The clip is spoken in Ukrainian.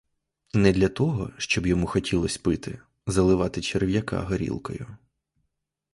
Не того, щоб йому хотілося пити, заливати черв'яка горілкою.